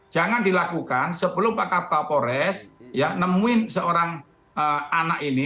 jangan dilakukan sebelum pak karta pores ya nemuin seorang anak ini